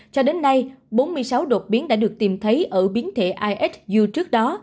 cho đến nay bốn mươi sáu đột biến đã được tìm thấy ở biến thể ihu trước đó